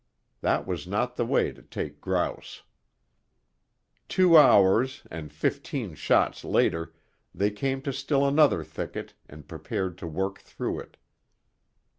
That was not the way to take grouse. Two hours and fifteen shots later, they came to still another thicket and prepared to work through it.